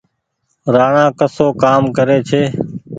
رآڻآ ڪسو ڪآم ڪري ڇي ۔